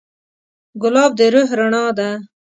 ګلاب د روح رڼا ده.